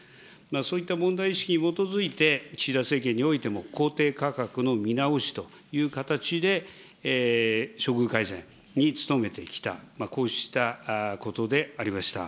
そういった問題意識に基づいて、岸田政権においても公定価格の見直しという形で、処遇改善に努めてきた、こうしたことでありました。